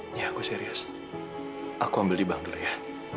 ini aku serius aku ambil di bank dulu ya